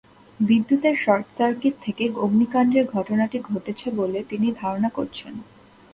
বিদ্যুতের শর্টসার্কিট থেকে অগ্নিকাণ্ডের ঘটনাটি ঘটেছে বলে তিনি ধারণা করছেন।